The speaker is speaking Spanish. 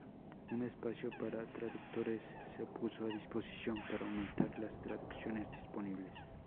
Un espacio para traductores se puso a disposición para aumentar las traducciones disponibles.